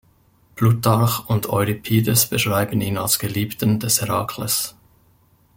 Plutarch und Euripides beschreiben ihn als Geliebten des Herakles.